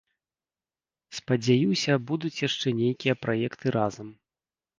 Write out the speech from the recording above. Спадзяюся, будуць яшчэ нейкія праекты разам.